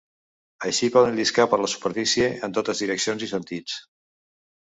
Així poden lliscar per la superfície en totes direccions i sentits.